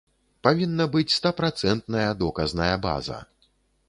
Павінна быць стапрацэнтная доказная база.